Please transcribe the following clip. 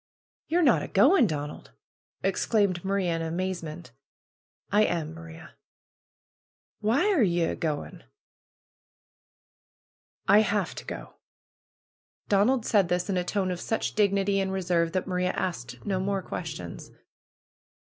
"Ye're not a going, Donald?" exclaimed Maria in amazement. "I am, Maria." "And why are ye going?" "I have to go." Donald said this in a tone of such dignity and reserve that Maria asked no more ques tions.